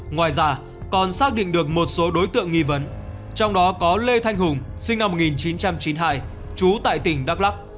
ngoài ra còn xác định được một số đối tượng nghi vấn trong đó có lê thanh hùng sinh năm một nghìn chín trăm chín mươi hai trú tại tỉnh đắk lắc